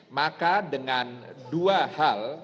maka dengan dua hal